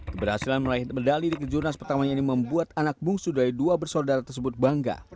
keberhasilan meraih medali di kejurnas pertamanya ini membuat anak bungsu dari dua bersaudara tersebut bangga